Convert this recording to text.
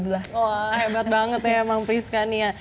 wah hebat banget ya emang priska nih ya